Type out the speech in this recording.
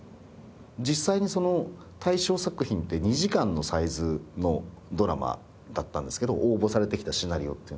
実際にその大賞作品って２時間のサイズのドラマだったんですけど応募されてきたシナリオっていうのは。